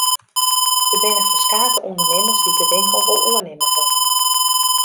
Der binne ferskate ûndernimmers dy't de winkel wol oernimme wolle.